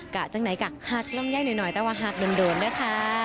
กะจังไหนกะหักล้ำไย้หน่อยแต่ว่าหักโดนนะคะ